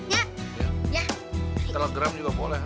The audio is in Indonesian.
ya telegram juga boleh